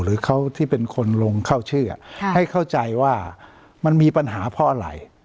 หรือเขาที่เป็นคนลงเข้าชื่อให้เข้าใจว่ามันมีปัญหาเพราะอะไร